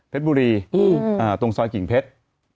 บุรีตรงซอยกิ่งเพชร